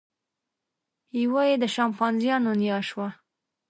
یوه یې د شامپانزیانو نیا شوه.